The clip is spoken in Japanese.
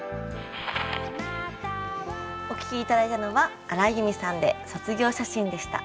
お聴き頂いたのは荒井由実さんで「卒業写真」でした。